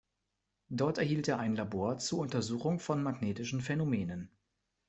Dort erhielt er ein Labor zur Untersuchung von magnetischen Phänomenen.